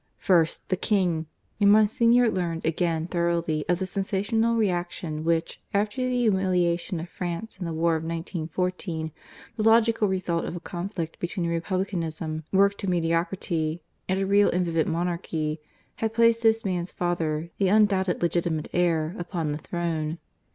First, the King; and Monsignor learned again thoroughly of the sensational reaction which, after the humiliation of France in the war of 1914 the logical result of a conflict between a republicanism worked out to mediocrity and a real and vivid monarchy had placed this man's father the undoubted legitimate heir upon the throne.